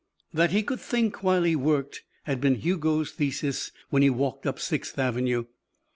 That he could think while he worked had been Hugo's thesis when he walked up Sixth Avenue.